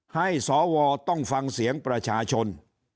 สวต้องฟังเสียงประชาชน